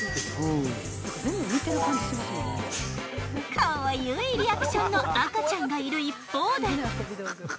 かわゆいリアクションの赤ちゃんがいる一方で。